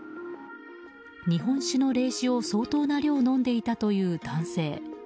日本酒の冷酒を相当な量飲んでいたという男性。